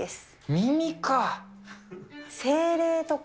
耳か。